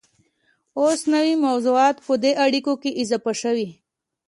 اوس نوي موضوعات په دې اړیکو کې اضافه شوي